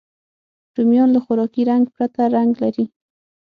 رومیان له خوراکي رنګ پرته رنګ لري